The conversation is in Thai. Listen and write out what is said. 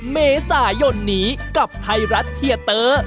เมษายนนี้กับไทยรัฐเทียเตอร์